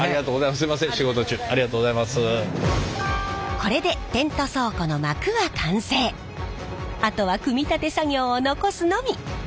これであとは組み立て作業を残すのみ。